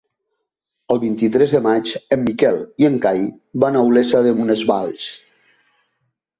El vint-i-tres de maig en Miquel i en Cai van a Olesa de Bonesvalls.